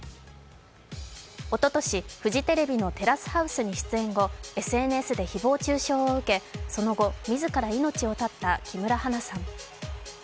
おととしフジテレビの「テラスハウス」に出演しＳＮＳで誹謗中傷を受け、その後、自ら命を絶った木村花さん。